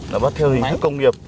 là bắt theo hình thức công nghiệp